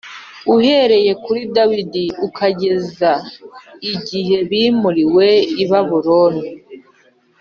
uhereye kuri Dawidi ukageza igihe bimuriwe i Babuloni